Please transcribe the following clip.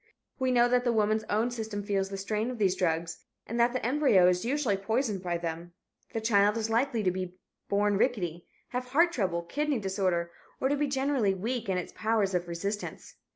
We know that the woman's own system feels the strain of these drugs and that the embryo is usually poisoned by them. The child is likely to be rickety, have heart trouble, kidney disorder, or to be generally weak in its powers of resistance.